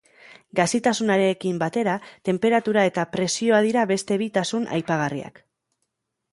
Gazitasunarekin batera, tenperatura eta presioa dira beste bi tasun aipagarriak.